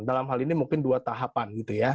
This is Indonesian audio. dalam hal ini mungkin dua tahapan